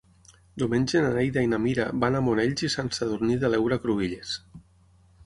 Diumenge na Neida i na Mira van a Monells i Sant Sadurní de l'Heura Cruïlles.